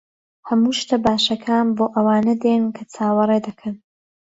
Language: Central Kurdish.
ھەموو شتە باشەکان بۆ ئەوانە دێن کە چاوەڕێ دەکەن.